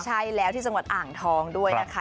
ใช่แล้วที่จังหวัดอ่างทองด้วยนะคะ